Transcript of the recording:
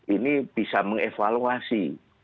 ini bisa mengevaluasi